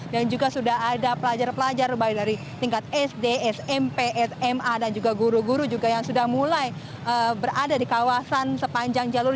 dan juga sudah ada pelajar pelajar dari tingkat sd smp sma dan juga guru guru juga yang sudah mulai berada di kawasan sepanjang jalur